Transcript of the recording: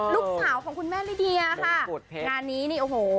ลูกสาวของคุณแม่ลิเดียค่ะงานนี้นี่โอ้โห